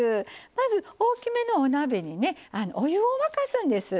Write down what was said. まず大きめのお鍋にねお湯を沸かすんです。